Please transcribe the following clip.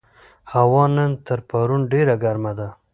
هوا نن تر پرون ډېره ګرمه ده.